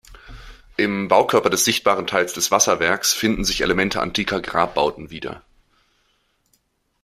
Im Baukörper des sichtbaren Teils des Wasserwerks finden sich Elemente antiker Grabbauten wieder.